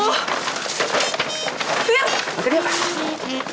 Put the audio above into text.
makan ya pak